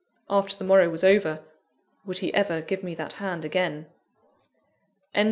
After the morrow was over, would he ever give me that hand again? III.